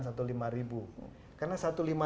tertiri dua akhir system